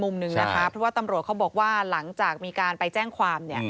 นะคะเพราะว่าตำรวจเขาบอกว่าหลังจากมีการไปแจ้งความ